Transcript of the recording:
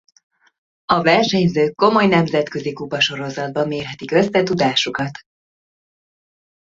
A versenyzők komoly nemzetközi kupasorozatban mérhetik össze tudásukat.